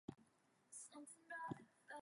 Cut me a nice junky piece of bread.